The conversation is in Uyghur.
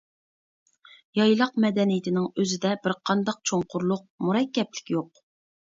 يايلاق مەدەنىيىتىنىڭ ئۆزىدە بىرقانداق چوڭقۇرلۇق، مۇرەككەپلىك يوق.